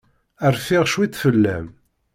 Rfiɣ cwiṭ fell-am.